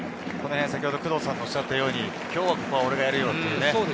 先ほど工藤さんが言ったように今日は俺がやるよっていう。